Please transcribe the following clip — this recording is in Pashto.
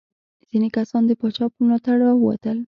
ځینې کسان د پاچا په ملاتړ راووتل.